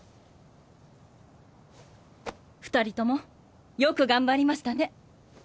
２人ともよく頑張りましたね。